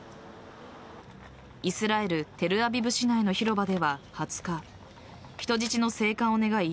イスラエルテルアビブ市内の広場では２０日、人質の生還を願い